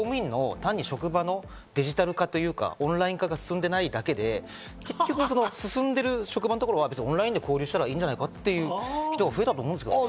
公務員の職場のデジタル化というかオンライン化が進んでいないだけで進んでる職場のところはオンラインで交流したらいいんじゃないの？っていう人が増えたと思うんです。